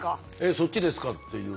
「そっちですか」っていう。